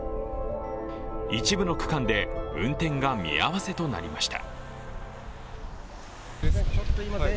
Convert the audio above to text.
一部の区間で運転が見合わせとなりました。